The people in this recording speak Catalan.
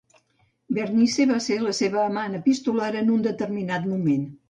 Bernice va ser la seva amant epistolar en un determinat moment.